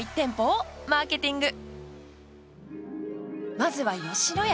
まずは吉野家。